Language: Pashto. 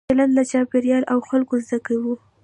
چلند له چاپېریال او خلکو زده کوو.